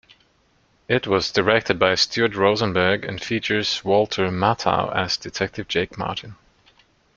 It was directed by Stuart Rosenberg and features Walter Matthau as Detective Jake Martin.